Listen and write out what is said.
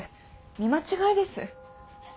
見間違いです。